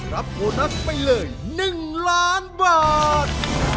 รับโบนัสไปเลย๑ล้านบาท